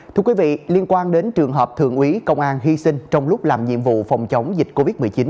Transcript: thưa quý vị liên quan đến trường hợp thượng úy công an hy sinh trong lúc làm nhiệm vụ phòng chống dịch covid một mươi chín